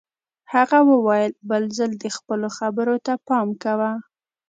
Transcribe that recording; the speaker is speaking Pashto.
هغه وویل بل ځل دې خپلو خبرو ته پام کوه